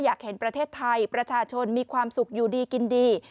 อยากเห็นประเทศไทยประชาชนมีความสุขอยู่ดีกินดี